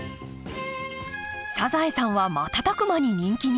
「サザエさん」は瞬く間に人気に。